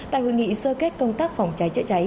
tại hội nghị sơ kết công tác phòng cháy chữa cháy